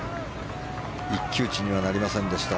一騎打ちにはなりませんでした。